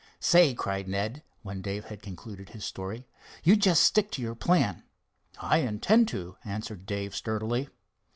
"Say," cried Ned, when Dave had concluded his story, "you just stick to your plan." "I intend to," answered Dave sturdily.